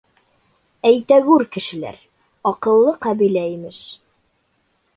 Әйтәгүр, кешеләр — аҡыллы ҡәбилә, имеш.